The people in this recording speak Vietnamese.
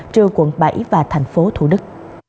trừ quận bảy và tp thủ đức